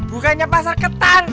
bukannya pasar ketan